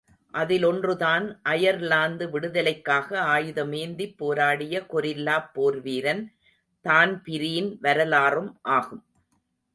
அதிலொன்றுதான் Ireland விடுதலைக்காக ஆயுதமேந்திப் போராடிய கெரில்லாப் போர்வீரன் தான்பிரீன் வரலாறும் ஆகும்.